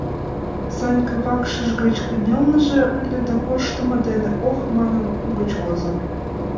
Санька вакшыж гыч кынелнеже ыле да корштымо дене «ох» манын угыч возо.